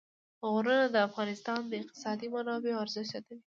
غرونه د افغانستان د اقتصادي منابعو ارزښت زیاتوي.